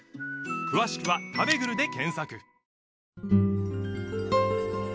詳しくは「たべぐる」で検索